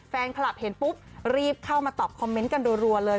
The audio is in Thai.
แฟนคลับรีบเข้ามารับคอมเมนต์กันด่วนเลย